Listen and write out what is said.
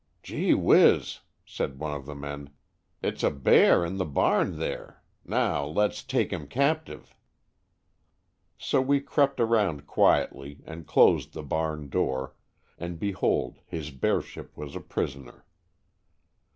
"Gee whiz!" said one of the men; "it's a bear in the barn there. Now, let's take him captive." m Stories from the Adirondacks. So we crept around quietly and closed the barn door, and behold his bearship was a prisoner.